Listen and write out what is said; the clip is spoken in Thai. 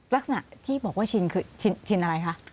ลักษณะที่บอกว่าชินคือชินอะไรคะ